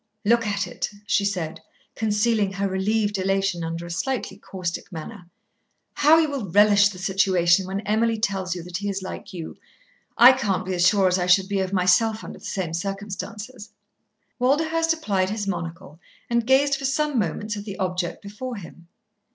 "Look at it," she said, concealing her relieved elation under a slightly caustic manner. "How you will relish the situation when Emily tells you that he is like you, I can't be as sure as I should be of myself under the same circumstances." Walderhurst applied his monocle and gazed for some moments at the object before him.